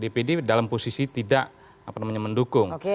di dpd itu dpd dalam posisi tidak mendukung